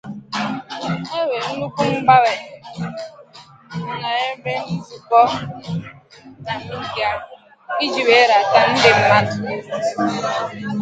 Major improvements to the stadium were madea to attract fans.